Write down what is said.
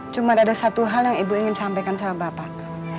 cuma ada satu hal yang ibu ingin sampaikan sama bapak